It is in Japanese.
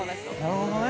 ◆なるほどね。